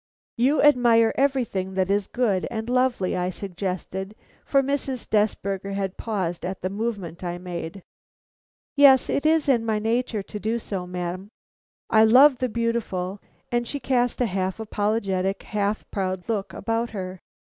"You admire everything that is good and lovely," I suggested, for Mrs. Desberger had paused at the movement I made. "Yes, it is my nature to do so, ma'am. I love the beautiful," and she cast a half apologetic, half proud look about her.